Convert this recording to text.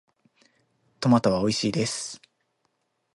トマトはおいしいです。